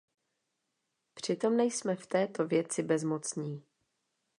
Přitom nejsme v této věci bezmocní.